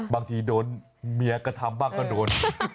บางทีโดนเมียกระทำบ้างก็โดน